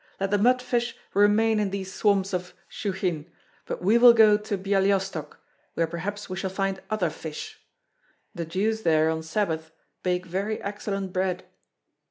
Let the mudfish remain in these swamps of Shchuchyn, but we will go to Byalystok, where perhaps we shall find other fish. The Jews there, on Sabbath, bake very excellent bread.